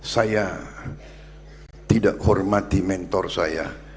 saya tidak hormati mentor saya